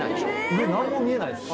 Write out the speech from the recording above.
上何も見えないです。